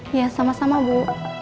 iya sama sama bu